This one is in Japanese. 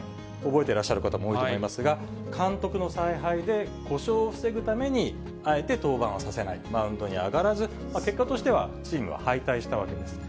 覚えてらっしゃる方も多いと思いますが、監督の采配で、故障を防ぐために、あえて登板はさせない、マウンドに上がらず、結果としては、チームは敗退したわけです。